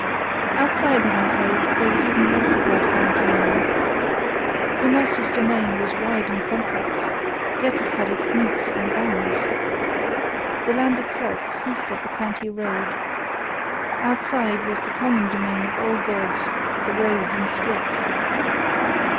Outside the household there was even more for White Fang to learn. The master's domain was wide and complex, yet it had its metes and bounds. The land itself ceased at the county road. Outside was the common domain of all gods—the roads and streets.